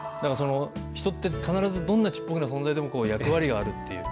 人って必ず、どんなちっぽけな存在でも役割があるっていう。